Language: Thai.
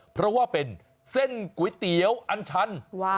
เพราะว่าเป็นเส้นก๋วยเตี๋ยวอันชัน